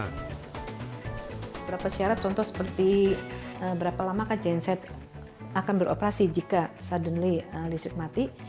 beberapa syarat contoh seperti berapa lama genset akan beroperasi jika suddenly listrik mati